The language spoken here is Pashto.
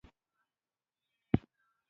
د ماشوم د ودې د ستونزې لپاره باید چا ته لاړ شم؟